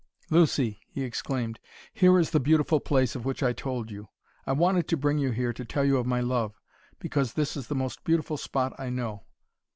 "Lucy," he exclaimed, "here is the beautiful place of which I told you. I wanted to bring you here to tell you of my love, because this is the most beautiful spot I know.